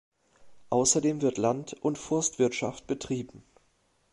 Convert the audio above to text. Außerdem wird Land- und Forstwirtschaft betrieben.